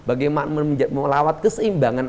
bagaimana merawat keseimbangan